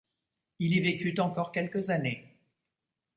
Il y vécut encore quelques années.